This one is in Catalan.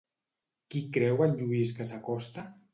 Qui creu en Lluís que s'acosta?